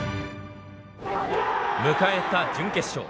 迎えた準決勝。